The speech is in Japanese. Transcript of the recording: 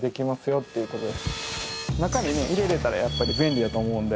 中に入れれたらやっぱり便利やと思うんで。